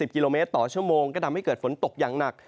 กิโลเมตรต่อชั่วโมงก็ทำให้เกิดฝนตกอย่างหนัก